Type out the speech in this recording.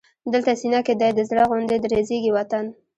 دلته سینه کې دی د زړه غوندې درزېږي وطن